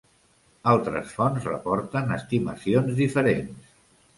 Altres fonts reporten estimacions diferents.